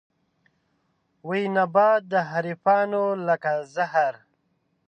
وي نبات د حريفانو لکه زهر